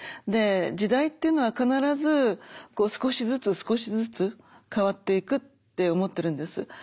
で時代っていうのは必ず少しずつ少しずつ変わっていくって思ってるんです。